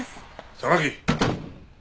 榊！